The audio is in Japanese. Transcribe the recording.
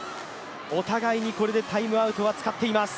お互いにこれでタイムアウトは使っています。